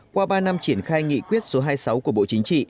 qua ba năm triển khai nghị quyết số hai mươi sáu của bộ chính trị